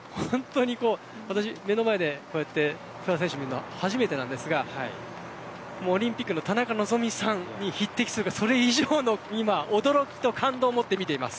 私は今、目の前で不破選手を見るのは初めてですがオリンピックの田中希実さんに匹敵するかそれ以上の驚きと感動を持って見ています。